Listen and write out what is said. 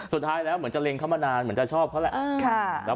สุดท้ายแล้วเหมือนจะเล็งเข้ามานานเหมือนจะชอบเขาแหละ